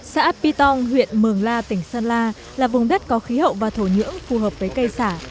xã pí tông huyện mường la tỉnh sơn la là vùng đất có khí hậu và thổ nhưỡng phù hợp với cây xả